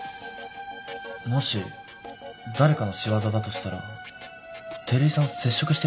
もし誰かの仕業だとしたら照井さん接触してるんじゃ。